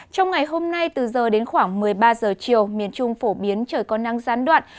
trong ngày hôm nay từ giờ đến khoảng một mươi ba giờ chiều miền trung phổ biến trời có năng gián đoạn